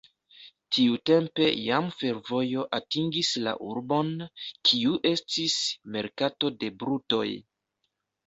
Tiutempe jam fervojo atingis la urbon, kiu estis merkato de brutoj.